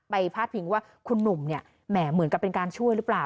พาดพิงว่าคุณหนุ่มเนี่ยแหมเหมือนกับเป็นการช่วยหรือเปล่า